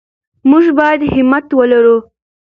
موږ باید همت ولرو.